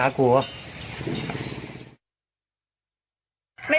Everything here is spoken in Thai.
จัดกระบวนพร้อมกัน